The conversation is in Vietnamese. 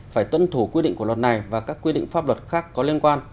phải tuân thủ quy định của luật này và các quy định pháp luật khác có liên quan